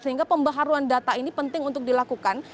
sehingga pembaharuan data ini penting untuk dilakukan